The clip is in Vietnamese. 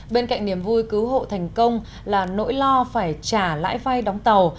bên cạnh niềm vui cứu hộ thành công là nỗi lo phải trả lãi vai đóng tàu